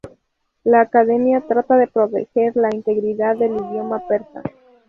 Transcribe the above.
La academia trata de proteger la integridad del idioma persa.